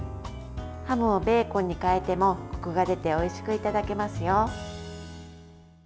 ハムをベーコンに変えてもこくが出ておいしくいただけますよ。